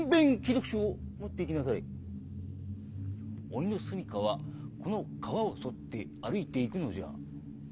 「鬼の住みかはこの川を沿って歩いていくのじゃ」。